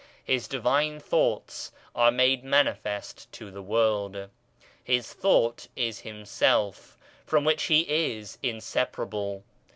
His Divine thoughts are made manifest to the world. His thought is himself, from which he is insepar able.